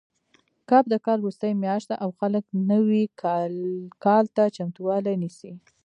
کب د کال وروستۍ میاشت ده او خلک نوي کال ته چمتووالی نیسي.